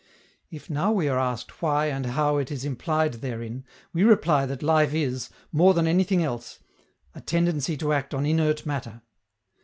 If now we are asked why and how it is implied therein, we reply that life is, more than anything else, a tendency to act on inert matter.